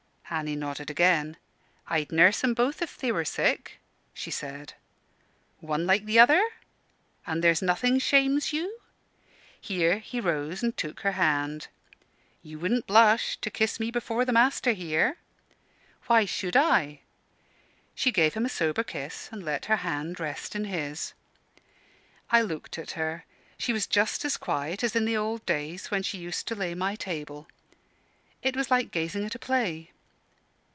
Annie nodded again. "I'd nurse 'em both if they were sick," she said. "One like the other?" "And there's nothing shames you?" Here he rose and took her hand. "You wouldn't blush to kiss me before master here?" "Why should I?" She gave him a sober kiss, and let her hand rest in his. I looked at her. She was just as quiet as in the old days when she used to lay my table. It was like gazing at a play.